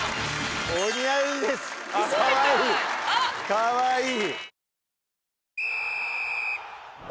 かわいい。